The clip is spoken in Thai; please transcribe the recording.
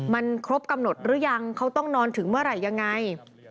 มันครบกำหนดหรือยังเขาต้องนอนถึงเมื่อไหร่ยังไง